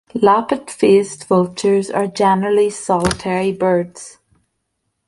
Lappet-faced vultures are generally solitary birds.